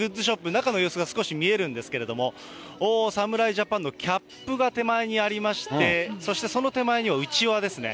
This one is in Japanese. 中の様子が少し見えるんですけれども、侍ジャパンのキャップが手前にありまして、そしてその手前にはうちわですね。